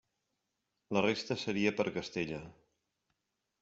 La resta seria per Castella.